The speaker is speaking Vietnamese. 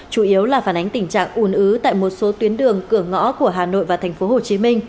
chủ yếu là phản ánh tình trạng ùn ứ tại một số tuyến đường cửa ngõ của hà nội và tp hcm